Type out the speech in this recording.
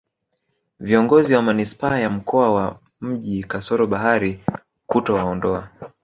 viongozi wa manispaa ya mkoa wa mji kasoro bahari kutowaondoa